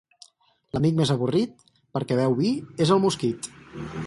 L'amic més avorrit, perquè beu vi, és el mosquit.